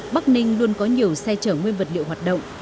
bắc ninh luôn có nhiều xe chở nguyên vật liệu hoạt động